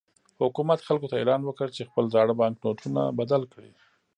حکومت خلکو ته اعلان وکړ چې خپل زاړه بانکنوټونه بدل کړي.